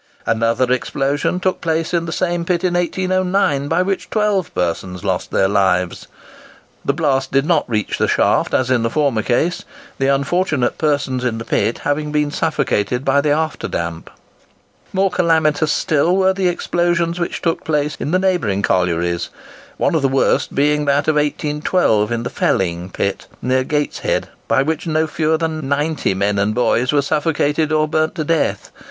Another explosion took place in the same pit in 1809, by which 12 persons lost their lives. The blast did not reach the shaft as in the former case; the unfortunate persons in the pit having been suffocated by the after damp. More calamitous still were the explosions which took place in the neighbouring collieries; one of the worst being that of 1812, in the Felling Pit, near Gateshead, by which no fewer than 90 men and boys were suffocated or burnt to death.